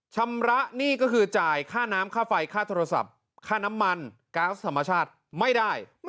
ชำระหนี้ก็คือจ่ายค่าน้ำค่าไฟค่าโทรศัพท์ค่าน้ำมันก๊าซธรรมชาติไม่ได้